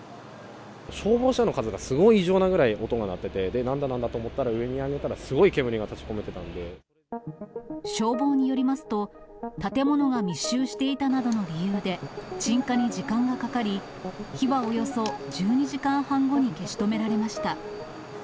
消防車の数がすごい異常なぐらい音が鳴ってて、なんだなんだと思って上、見上げたら、すごい煙が立ちこめてたん消防によりますと、建物が密集していたなどの理由で、鎮火に時間がかかり、火はおよそ１２時間半後に消し止められました。